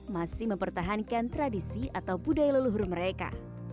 masih mempertahankan tradisi atau budaya leluhur mereka